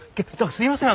すいません。